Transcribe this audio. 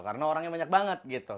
karena orangnya banyak banget gitu